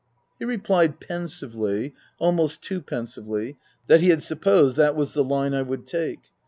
He replied pensively (almost too pensively) that he had supposed that was the line I would take.